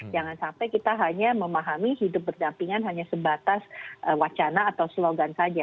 jangan sampai kita hanya memahami hidup berdampingan hanya sebatas wacana atau slogan saja